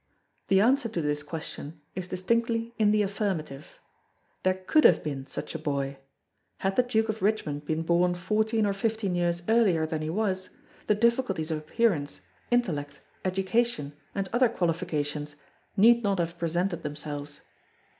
The answer to this question is distinctly in the affirmative; there could have been such a boy; had the Duke of Richmond been born fourteen or fifteen years earlier than he was, the difficulties of appearance, intellect, education, and other qualifications need not have presented themselves.